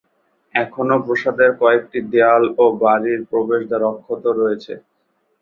এখনো প্রাসাদের কয়েকটি দেয়াল ও বাড়ির প্রবেশদ্বার অক্ষত রয়েছে।